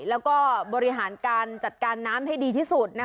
แล้วก็บริหารการจัดการน้ำให้ดีที่สุด